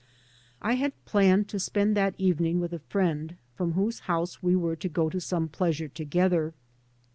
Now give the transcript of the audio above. I had planned to spend that evening with a friend from whose house we were to go to some pleasure together.